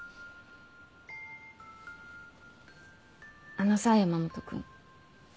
あのさ山本君。